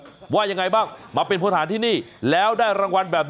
หมอกิตติวัตรว่ายังไงบ้างมาเป็นผู้ทานที่นี่แล้วอยากรู้สึกยังไงบ้าง